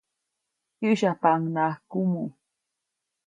Kyäsyapaʼuŋnaʼak kumuʼ.